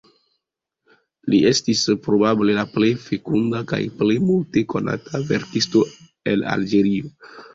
Li estis probable la plej fekunda kaj plej multe konata verkisto el Alĝerio.